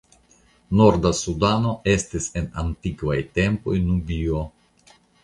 Norda Sudano estis en antikvaj tempoj Nubio.